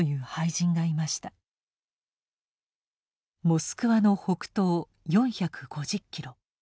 モスクワの北東４５０キロ。